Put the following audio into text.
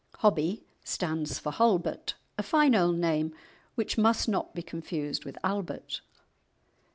"Hobbie" stands for "Halbert," a fine old name which must not be confused with "Albert."